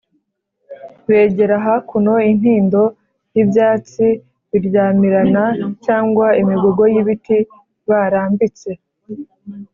bagere hakuno; intindo y’ibyatsi biryamirana cyangwa imigogo y’ibiti barambitse